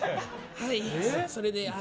はい、それで。